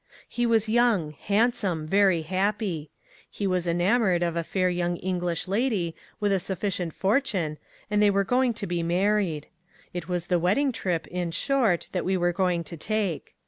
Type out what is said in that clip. He was young, handsome, very happy. He was enamoured of a fair young English lady, with a sufficient fortune, and they were going to be married. It was the wedding trip, in short, that we were going to take.